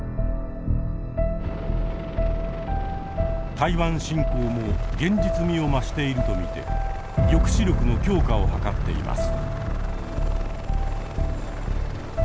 台湾侵攻も現実味を増していると見て抑止力の強化をはかっています。